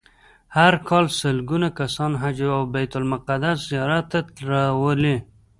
هر کال سلګونه کسان حج او بیت المقدس زیارت ته راولي.